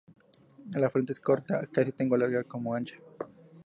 La frente es corta, casi tan larga como ancha.